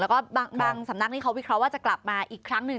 แล้วก็บางสำนักนี้เขาวิเคราะห์ว่าจะกลับมาอีกครั้งหนึ่ง